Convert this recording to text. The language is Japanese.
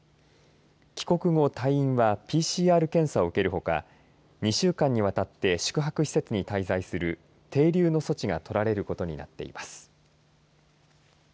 帰国後、隊員はＰＣＲ検査を受けるほか２週間にわたって宿泊施設に滞在する停留の措置が取られることになっています。